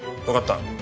わかった。